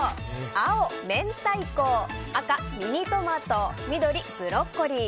青、明太子赤、ミニトマト緑、ブロッコリー。